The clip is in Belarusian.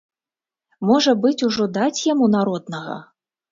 Можа быць, ужо даць яму народнага?